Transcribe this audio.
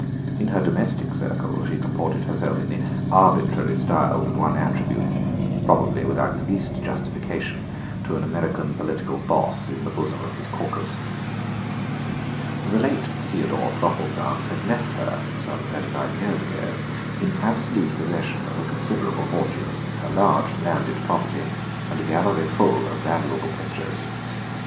In her domestic circle she comported herself in the arbitrary style that one attributes, probably without the least justification, to an American political Boss in the bosom of his caucus. The late Theodore Thropplestance had left her, some thirty five years ago, in absolute possession of a considerable fortune, a large landed property, and a gallery full of valuable pictures.